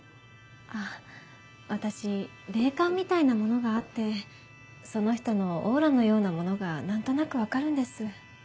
あっ私霊感みたいなものがあってその人のオーラのようなものが何となく分かるんです。